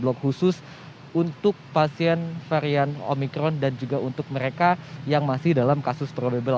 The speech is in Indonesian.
blok khusus untuk pasien varian omikron dan juga untuk mereka yang masih dalam kasus probable